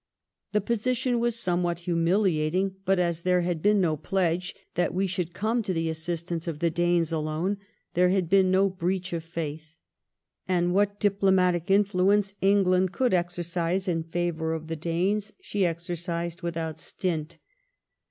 The position was somewhat humiliating, but as there had been no pledge that we should come to the assist ance of the Danes alone, there had been no breach of faith. And what diplomatic influence England could exer cise in favour of the Danes, she exercised without stint.